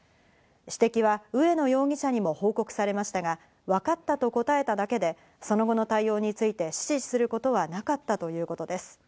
指摘は植野容疑者にも報告されましたが、わかったと答えただけでその後の対応について指示することはなかったということです。